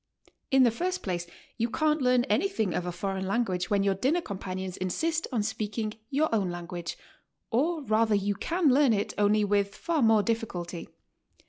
In the first place, you can't learn anything of a foreign language when your dinner companions insist on speaking your own lan guage, or rather you can learn it only with far more difficulty.